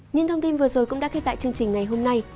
những thông tin vừa rồi cũng đã khép lại chương trình ngày hôm nay